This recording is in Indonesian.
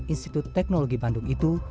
institut teknologi bandung itu